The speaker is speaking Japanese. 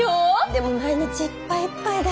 でも毎日いっぱいいっぱいで。